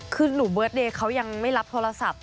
คือหนูเบิร์ตเดย์เขายังไม่รับโทรศัพท์